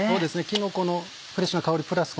きのこのフレッシュな香りプラス